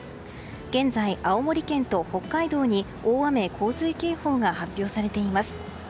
現在、青森県と北海道に大雨・洪水警報が発表されています。